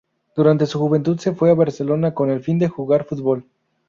Durante su juventud se fue a Barcelona con el fin de jugar fútbol.